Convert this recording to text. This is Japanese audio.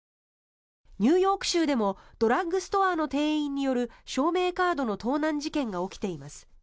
ニューヨーク州でもドラッグストア店員による証明カードの盗難事件が起きています。